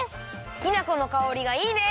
きな粉のかおりがいいね！